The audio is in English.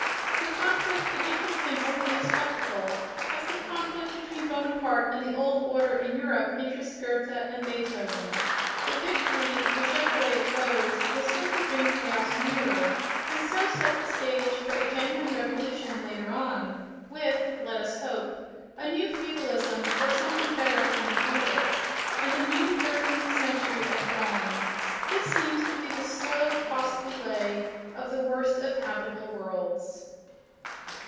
The conflict can interest him only as spectacle, as the conflict between Bonaparte and the old order in Europe interested Goethe and Beethoven. The victory, whichever way it goes, will simply bring chaos nearer, and so set the stage for a genuine revolution later on, with (let us hope) a new feudalism or something better coming out of it, and a new Thirteenth Century at dawn. This seems to be the slow, costly way of the worst of habitable worlds.